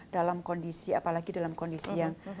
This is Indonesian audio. dalam kondisi apalagi dalam kondisi yang